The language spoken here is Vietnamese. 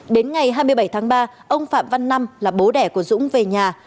đến ngày hai mươi bảy tháng ba ông phạm văn năm là bố đẻ của dũng về nhà